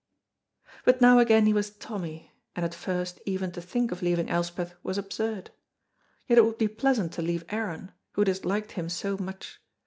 But now again he was Tommy, and at first even to think of leaving Elspeth was absurd. Yet it would be pleasant to leave Aaron, who disliked him so much.